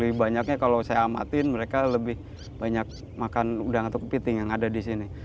lebih banyaknya kalau saya amatin mereka lebih banyak makan udang atau kepiting yang ada di sini